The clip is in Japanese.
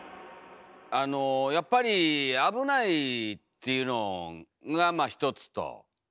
あのやっぱり「危ない」っていうのがまあ一つと。